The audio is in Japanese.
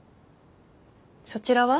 そちらは？